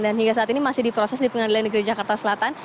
dan hingga saat ini masih diproses di pengadilan negeri jakarta selatan